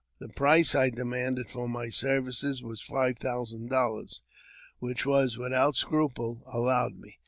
The price I de manded for my services was five thousand dollars, which was, without scruple, allowed me.